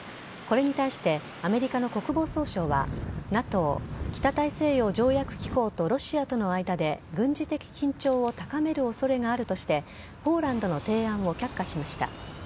これに対してアメリカの国防総省はＮＡＴＯ＝北大西洋条約機構とロシアとの間で軍事的緊張を高める恐れがあるとしてポーランドの提案を却下しました。